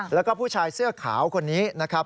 แล้วก็ผู้ชายเสื้อขาวคนนี้นะครับ